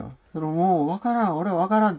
「もう分からん俺は分からん」